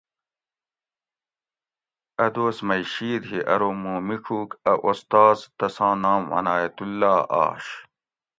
اۤ دوس مئ شید ہی اۤرو مُوں میڄوک اۤ استاز تساں نام عنایت اللّہ آش